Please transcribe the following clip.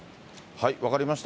分かりました。